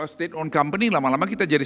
state on company lama lama kita jadi